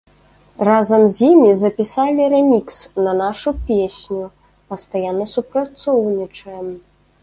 Разам з імі запісалі рэмікс на нашу песню, пастаянна супрацоўнічаем.